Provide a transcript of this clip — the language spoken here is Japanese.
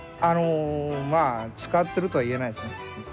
あのまあ使ってるとは言えないですね。